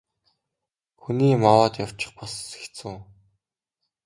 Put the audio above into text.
Хүний юм аваад явчих бас хэцүү.